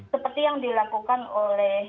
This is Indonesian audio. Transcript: seperti yang dilakukan oleh